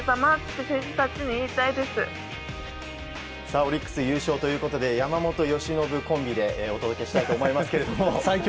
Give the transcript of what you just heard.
オリックス優勝ということで山本、由伸コンビでお届けしたいと思います。